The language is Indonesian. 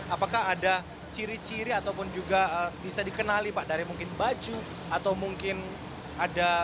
apakah ada ciri ciri ataupun juga bisa dikenali pak dari mungkin baju atau mungkin ada